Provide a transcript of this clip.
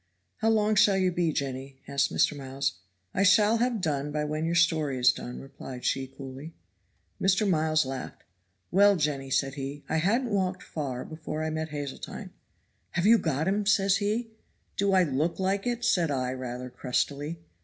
"How long shall you be, Jenny?" asked Mr. Miles. "I shall have done by when your story is done," replied she coolly. Mr. Miles laughed. "Well, Jenny," said he, "I hadn't walked far before I met Hazeltine. 'Have you got him?' says he. 'Do I look like it?' said I rather crustily.